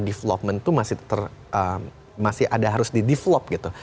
development itu masih ada harus di develop gitu